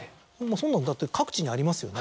そんなの各地にありますよね。